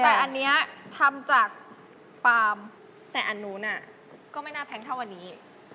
แต่อันนี้ทำจากปาล์มแต่อันนู้นก็ไม่น่าแพงเท่าวันนี้